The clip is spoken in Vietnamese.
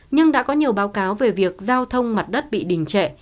nhưng đã có nhiều báo cáo về việc giao thông mặt đất bị đình trệ